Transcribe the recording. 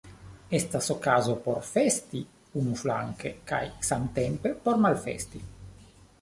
Estas okazo por festi unuflanke kaj samtempe por malfesti.